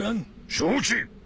承知！